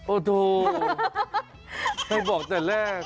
โอ้โหเธอบอกแต่แรก